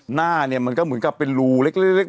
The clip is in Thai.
หน้าเนี่ยมันก็เหมือนกับเป็นรูเล็ก